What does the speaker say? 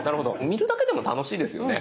見るだけでも楽しいですよね